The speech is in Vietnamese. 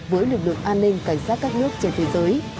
với lực lượng an ninh cảnh sát các nước trên thế giới